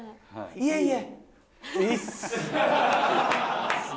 いえいえ。